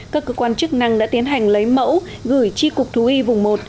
các cơ quan chức năng đã tiến hành lấy mẫu gửi tri cục thú y vùng một